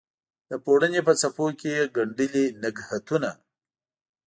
د پوړنې په څپو کې یې ګنډلي نګهتونه